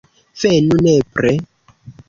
Venu nepre.